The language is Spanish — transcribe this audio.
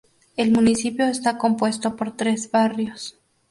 El municipio está compuesto por tres barrios.